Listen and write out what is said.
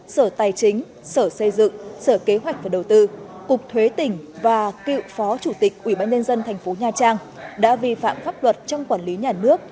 sở tài chính sở xây dựng sở kế hoạch và đầu tư cục thuế tỉnh và cựu phó chủ tịch ủy ban nhân dân thành phố nha trang đã vi phạm pháp luật trong quản lý nhà nước